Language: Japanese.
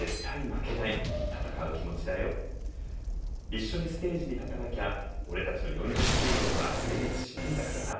「一緒にステージに立たなきゃ俺たちの４０周年は成立しないんだからな」。